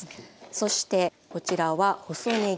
そしてこちらは細ねぎ。